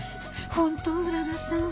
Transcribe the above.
本当うららさん？